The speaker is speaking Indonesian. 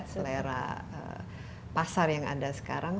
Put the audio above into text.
selera pasar yang ada sekarang